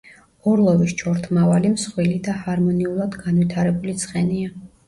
ორლოვის ჩორთმავალი მსხვილი და ჰარმონიულად განვითარებული ცხენია.